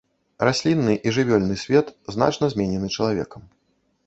Раслінны і жывёльны свет значна зменены чалавекам.